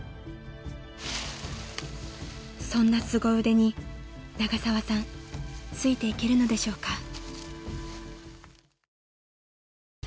［そんなすご腕に永沢さんついていけるのでしょうか？］